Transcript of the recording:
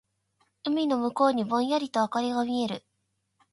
海の向こうにぼんやりと灯りが見える。